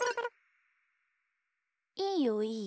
いいよいいよ。